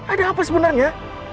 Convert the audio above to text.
ada apa sebenarnya